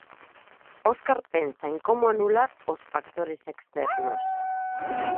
Óscar pensa en como anular os factores externos.